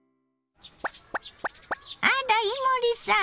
あら伊守さん。